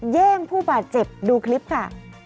แย่งผู้บาดเจ็บดูคลิปค่ะ